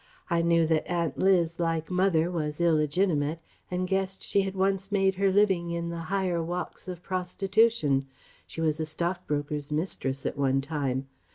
I knew that Aunt Liz, like mother, was illegitimate and guessed she had once made her living in the higher walks of prostitution she was a stockbroker's mistress at one time